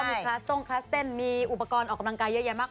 มีคลาสต้งคลาสเต้นมีอุปกรณ์ออกกำลังกายเยอะแยะมาก